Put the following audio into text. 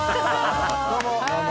どうも！